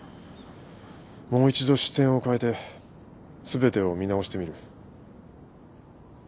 もう一度視点を変えて全てを見直してみる。